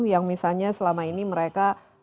yang misalnya selama ini mereka